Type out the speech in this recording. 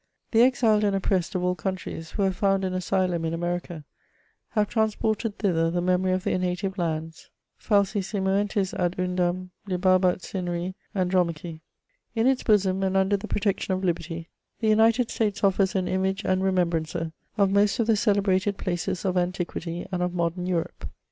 The exiled and oppressed of all countries, who have found an asylum in America, nave transported thither the memory of their native lands. *' falsi Simoentis ad nndam Libabat cineri Andromache." In its bosom, and under the protection of liberty, the United States ofiers an image and remembrancer of most of the celebrated places of antiquity and of modem Europe.